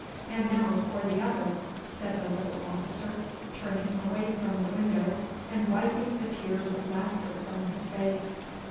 'And now for the other,' said the little officer, turning away from the window and wiping the tears of laughter from his face.